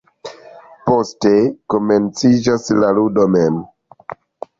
Poste komenciĝas la ludo mem.